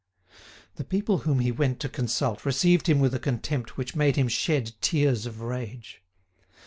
The people whom he went to consult received him with a contempt which made him shed tears of rage.